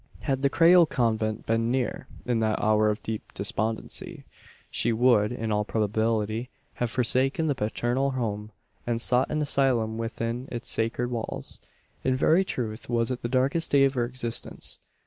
Had the Creole convent been near, in that hour of deep despondency, she would, in all probability, have forsaken the paternal home, and sought an asylum within its sacred walls. In very truth was it the darkest day of her existence.